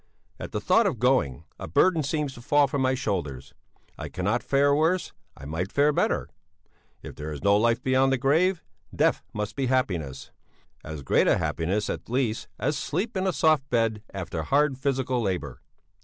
At the thought of going, a burden seems to fall from my shoulders; I cannot fare worse, I might fare better. If there is no life beyond the grave, death must be happiness; as great a happiness at least as sleep in a soft bed after hard physical labour.